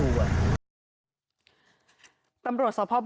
โอ้ลดกระดามแห่งดู